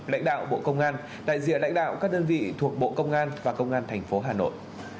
lãnh đạo bộ công an đại diện lãnh đạo các đơn vị thuộc bộ công an và công an thành phố hà nội